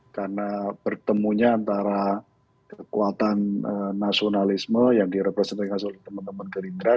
karena pertemunya antara kekuatan nasionalisme yang direpresentasikan oleh teman teman gerindra